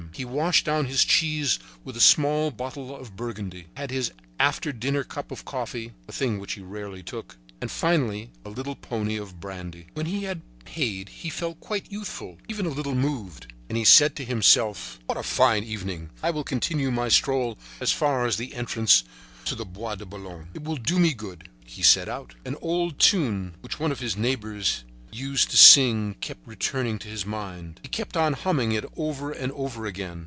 He washed down his cheese with a small bottle of burgundy, had his after dinner cup of coffee, a thing which he rarely took, and finally a little pony of brandy. When he had paid he felt quite youthful, even a little moved. And he said to himself: "What a fine evening! I will continue my stroll as far as the entrance to the Bois de Boulogne. It will do me good." He set out. An old tune which one of his neighbors used to sing kept returning to his mind. He kept on humming it over and over again.